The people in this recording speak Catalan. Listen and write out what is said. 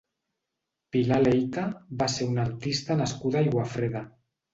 Pilar Leita va ser una artista nascuda a Aiguafreda.